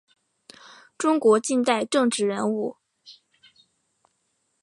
中国近代政治人物。